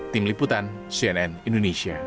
tim liputan cnn indonesia